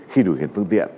khi điều khiển phương tiện